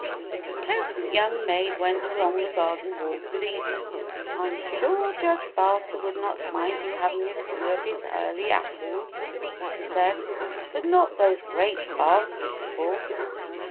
The pleasant young maid went along the garden walk with Evelyn. "I'm sure Judge Baxter would not mind your hav ing a few of his early apples," she said, "but not those great baskets full."